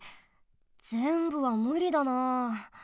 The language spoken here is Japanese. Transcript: ぜんぶはむりだなあ。